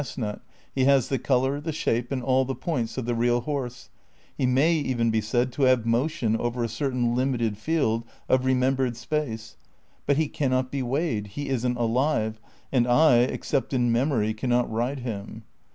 II THE CRITICAL PREPAEATIONS 23 nut, he has the colour, the shape, and all the points of the real horse, he may even be said to have motion over a certain limited field of remembered space ; but he cannot be weighed, he isn't alive, and I, except in memory, cannot ride him.